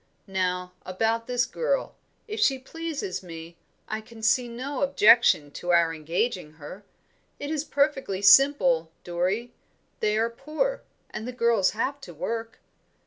Now about this girl: if she pleases me, I can see no objection to our engaging her. It is perfectly simple, Dorrie; they are poor, and the girls have to work.